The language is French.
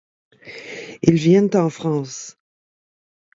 Ils viennent en France.